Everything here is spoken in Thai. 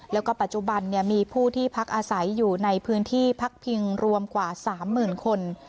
แล้วก็ปัจจุบันมีผู้ที่พักอาศัยอยู่ในพื้นที่พักพิงรวมกว่า๓๐๐๐คน